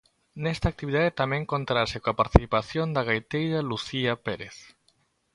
Nesta actividade tamén contarase coa participación da gaiteira Lucía Pérez.